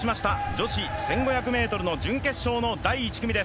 女子１５００ｍの準決勝の第１組です。